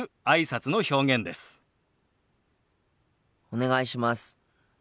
お願いします。